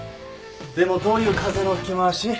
でもどういう風の吹き回し？